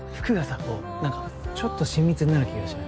こう何かちょっと親密になる気がしない？